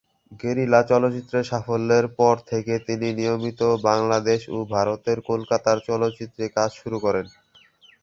Guerrilla চলচ্চিত্রের সাফল্যের পর থেকে তিনি নিয়মিত বাংলাদেশ ও ভারতের কলকাতার চলচ্চিত্রে কাজ করা শুরু করেন।